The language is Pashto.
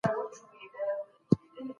سیاستوال به د بشري حقونو قانون پلی کړي.